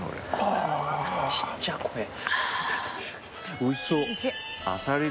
おいしそう。